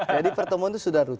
jadi pertemuan itu sudah rutin